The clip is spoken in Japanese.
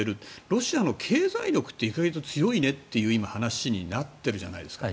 ロシアの経済力って意外と強いねっていう今、話になっているじゃないですか。